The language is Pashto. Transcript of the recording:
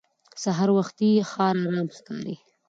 سهار وختي ښار ارام ښکاري